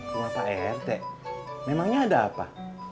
rumah pak rt memangnya ada apa